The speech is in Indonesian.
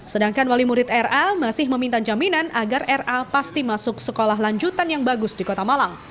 sedangkan wali murid ra masih meminta jaminan agar ra pasti masuk sekolah lanjutan yang bagus di kota malang